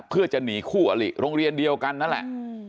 เพื่อจะหนีคู่อลิโรงเรียนเดียวกันนั่นแหละ